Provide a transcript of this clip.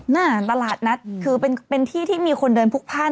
หน้าตลาดนัดคือเป็นที่ที่มีคนเดินพลุกพลาด